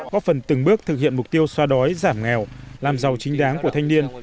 góp phần từng bước thực hiện mục tiêu so đối giảm nghèo làm giàu chính đáng của thanh niên